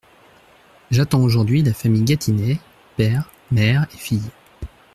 J’attends aujourd’hui la famille Gatinais, père, mère et fille.